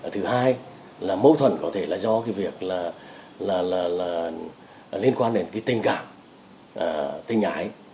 thứ hai là mâu thuẫn có thể là do việc liên quan đến tình cảm tình ái